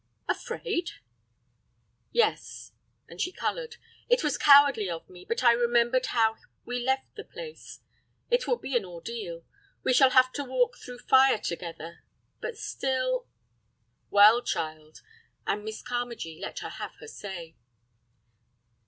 "Afraid?" "Yes," and she colored; "it was cowardly of me, but I remembered how we left the place. It will be an ordeal. We shall have to walk through fire together. But still—" "Well, child," and Miss Carmagee let her have her say.